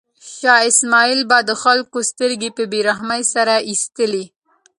شاه سلیمان به د خلکو سترګې په بې رحمۍ سره ایستلې.